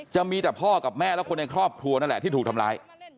จะมีแต่พ่อกับแม่และคนในครอบครัวนั่นแหละที่ถูกทำร้าย